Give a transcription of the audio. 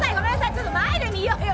ちょっと前で見ようよ